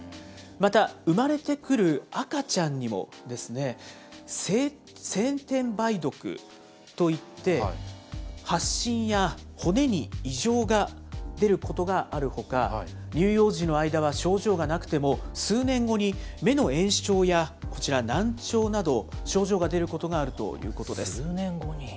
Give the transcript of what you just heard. また、産まれてくる赤ちゃんにも、先天梅毒といって、発疹や骨に異常が出ることがあるほか、乳幼児の間は症状がなくても、数年後に目の炎症やこちら、難聴など、症状が出ることがあるということです。